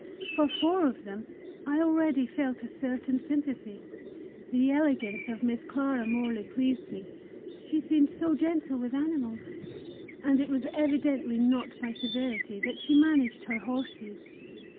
For four of them I already felt a certain sympathy; the elegance of Miss Clara Morley pleased me; she seemed so gentle with animals, and it was evidently not by severity that she managed her horses.